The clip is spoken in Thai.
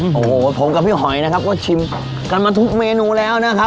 โอ้โหผมกับพี่หอยนะครับก็ชิมกันมาทุกเมนูแล้วนะครับ